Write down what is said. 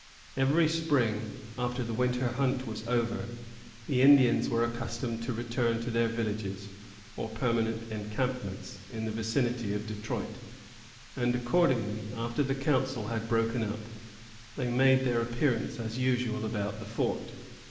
Every spring, after the winter hunt was over, the Indians were accustomed to return to their villages, or permanent encampments, in the vicinity of Detroit; and, accordingly, after the council had broken up, they made their appearance as usual about the fort.